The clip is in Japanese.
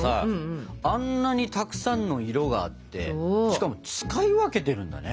あんなにたくさんの色があってしかも使い分けてるんだね。